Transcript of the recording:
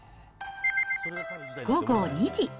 午後２時。